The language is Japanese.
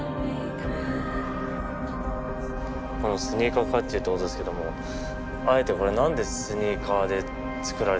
このスニーカー甲冑ってことですけどもあえてこれなんでスニーカーで作られてるんですか？